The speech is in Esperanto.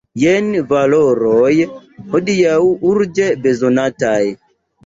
Jen valoroj hodiaŭ urĝe bezonataj!